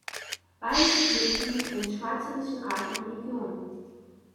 Beide sind Mitglied im Schweizerischen Rat der Religionen.